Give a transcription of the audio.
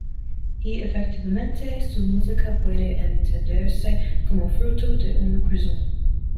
Y efectivamente, su música puede entenderse como fruto de un crisol.